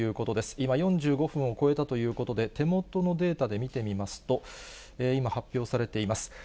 今４５分を超えたということで、手元のデータで見てみますと、今、発表されています。